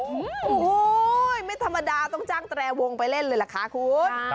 โอ้โหไม่ธรรมดาต้องจ้างแตรวงไปเล่นเลยล่ะค่ะคุณ